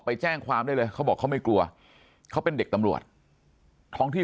ไปแจ้งความได้เลยเขาบอกเขาไม่กลัวเขาเป็นเด็กตำรวจท้องที่